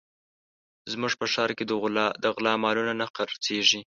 زموږ په ښار کې د غلا مالونه نه خرڅېږي